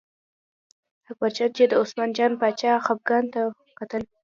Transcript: اکبرجان چې د عثمان جان باچا خپګان ته کتل.